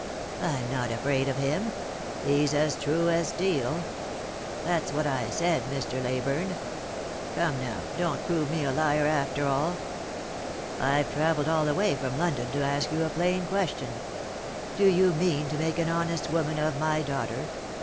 I'm not afraid of him. He's as true as steel.' That's what I said, Mr. Leyburne. Come now, don't prove me a bar after all. I've travelled all the way from London to ask you a plain question. Do you mean to make an honest woman of my daughter ?